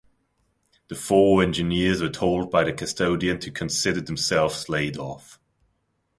The four engineers were told by the custodian to consider themselves laid off.